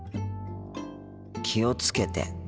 「気をつけて」。